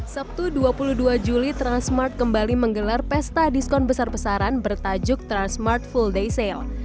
sabtu dua puluh dua juli transmart kembali menggelar pesta diskon besar besaran bertajuk transmart full day sale